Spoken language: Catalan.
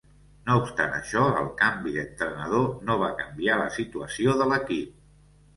No obstant això, el canvi d'entrenador no va canviar la situació de l'equip.